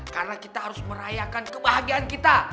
karena kita harus merayakan kebahagiaan kita